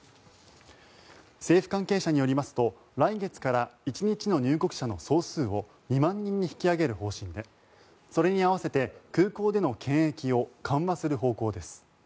政府関係者によりますと来月から１日の入国者の総数を２万人に引き上げる方針でそれに合わせて空港での検疫を緩和する方向です。